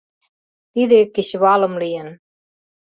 Тиде кечывалым лийын.